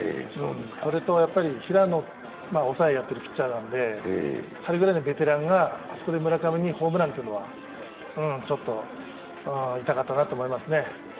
それと平野、抑えやってるピッチャーなので彼ぐらいのベテランがあそこでホームランというのは、ちょっと痛かったなと思いますね。